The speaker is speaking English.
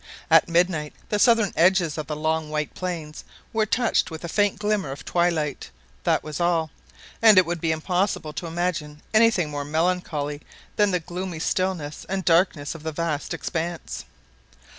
At midnight the southern edges of the long white plains were touched with a faint glimmer of twilight, that was all, and it would be impossible to imagine anything more melancholy than the gloomy stillness and darkness of the vast expanse.